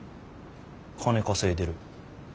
金稼いでる。